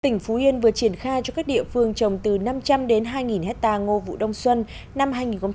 tỉnh phú yên vừa triển khai cho các địa phương trồng từ năm trăm linh đến hai hectare ngô vụ đông xuân năm hai nghìn một mươi sáu hai nghìn một mươi bảy